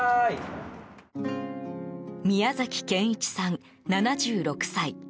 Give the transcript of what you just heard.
宮崎賢一さん、７６歳。